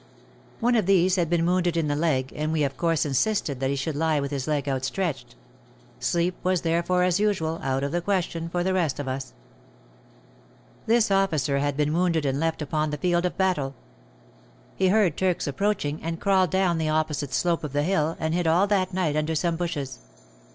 One of these had been wounded in the leg, and we of course insisted that he should lie with his leg outstretched, — sleep was therefore as usual out of the question for the rest of us. This officer had been wounded and left upon the field of batde. He heard Turks approach ing and crawled down the opposite slope of the hill and hid all that night under some bushes.